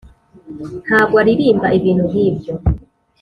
Ntago aririmba ibintu nkibyo